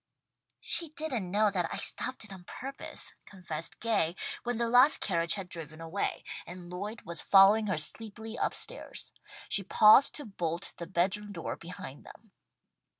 "She didn't know that I stopped it on purpose," confessed Gay, when the last carriage had driven away, and Lloyd was following her sleepily up stairs. She paused to bolt the bed room door behind them.